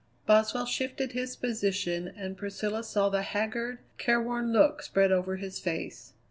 Boswell shifted his position, and Priscilla saw the haggard, careworn look spread over his face.